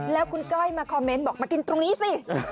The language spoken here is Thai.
แล้วคุณก้อยมาคอมเมนต์บอกมากินตรงนี้สิ